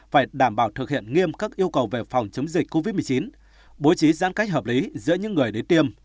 phải đảm bảo thực hiện nghiêm các yêu cầu về phòng chống dịch covid một mươi chín bố trí giãn cách hợp lý giữa những người đến tiêm